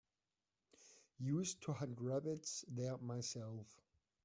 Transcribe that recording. Used to hunt rabbits there myself.